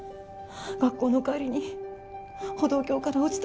学校の帰りに歩道橋から落ちたって。